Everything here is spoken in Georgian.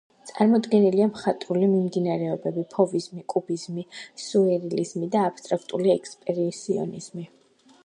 წარმოდგენილია მხატვრული მიმდინარეობები ფოვიზმი, კუბიზმი, სიურეალიზმი და აბსტრაქტული ექსპრესიონიზმი.